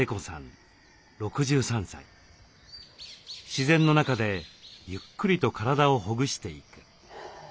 自然の中でゆっくりと体をほぐしていく。